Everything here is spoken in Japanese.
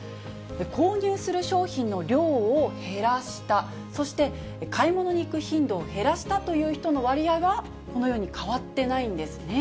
購入する商品の量を減らした、そして買い物に行く頻度を減らしたという人の割合は、このように変わってないんですね。